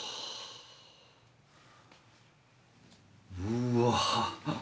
うわ。